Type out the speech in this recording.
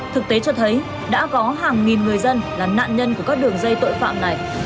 thực tế cho thấy đã có hàng nghìn người dân là nạn nhân của các đường dây tội phạm này